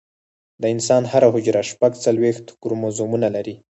د انسان هره حجره شپږ څلوېښت کروموزومونه لري